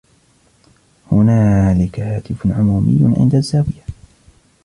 هنالك هاتف عمومي عند الزاوية.